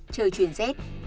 trời chuyển rét